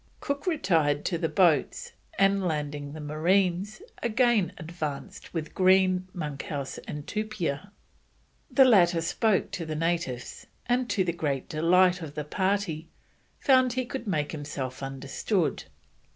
Cook retired to the boats, and landing the marines, again advanced with Green, Monkhouse, and Tupia. The latter spoke to the natives; and, to the great delight of the party, found he could make himself understood.